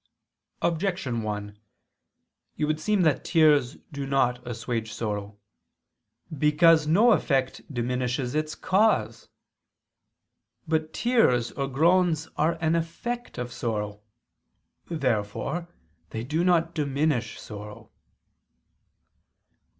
Objection 1: It would seem that tears do not assuage sorrow. Because no effect diminishes its cause. But tears or groans are an effect of sorrow. Therefore they do not diminish sorrow.